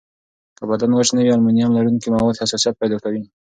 که بدن وچ نه وي، المونیم لرونکي مواد حساسیت پیدا کوي.